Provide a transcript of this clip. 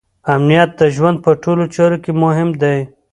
امنیت د ژوند په ټولو چارو کې مهم دی.